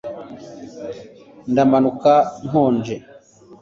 Ndamanuka nkonje